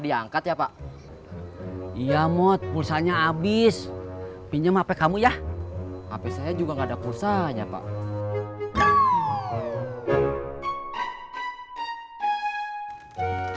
diangkat ya pak iya mod pulsanya abis pinjem hp kamu ya hp saya juga nggak ada pulsanya pak